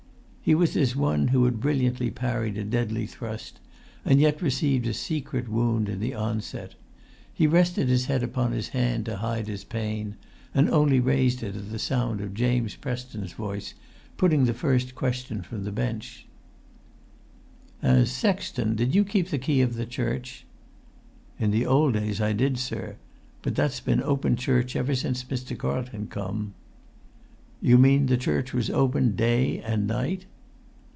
He was as one who had brilliantly parried a deadly thrust, and yet received a secret wound in the onset. He rested his head upon his hand to hide his pain,[Pg 156] and only raised it at the sound of James Preston's voice putting the first question from the bench: "As sexton, did you keep the key of the church?" "In the old days I did, sir; but that's been open church ever since Mr. Carlton come." "You mean that the church was open day and night?"